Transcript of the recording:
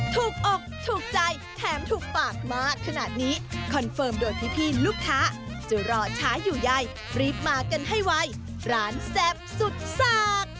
ถูกอกถูกใจแถมถูกปากมากขนาดนี้คอนเฟิร์มโดยพี่ลูกค้าจะรอช้าอยู่ใยรีบมากันให้ไวร้านแซ่บสุดสาก